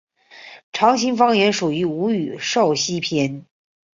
长兴方言属于吴语苕溪片。